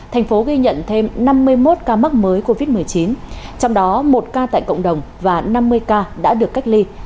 thành phố ghi nhận thêm năm mươi một ca mắc mới covid một mươi chín trong đó một ca tại cộng đồng và năm mươi ca đã được cách ly